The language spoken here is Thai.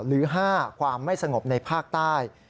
หรือ๕ความไม่สงบในภาคใต้